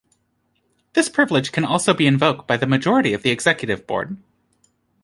This privilege can also be invoke by the majority of the Executive Board.